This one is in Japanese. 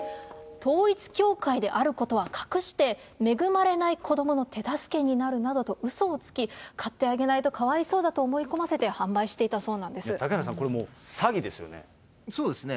統一教会であることは隠して、恵まれない子どもの手助けになるなどとうそをつき、買ってあげないとかわいそうだと思い込ませて販売していたそうな嵩原さん、これはもう、詐欺そうですね。